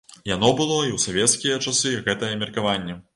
Яно было і ў савецкія часы гэтае меркаванне.